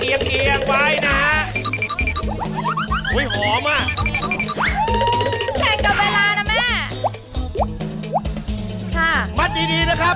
เฮ้ยปากเยี่ยงวายหนาอุ๊ยหอมอะ